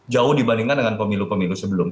jauh dibandingkan dengan pemilu pemilu sebelumnya